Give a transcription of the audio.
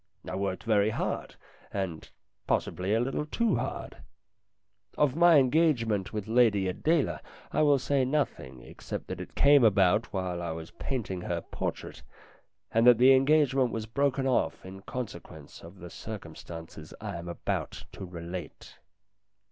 I worked very hard, and, possibly, a little too hard. Of my engagement with Lady Adela I will say nothing, except that it came about while I was painting her portrait, and that the engagement was broken off in consequence of the circumstances I am about to relate.